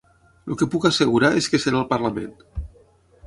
El que puc assegurar és que seré al Parlament.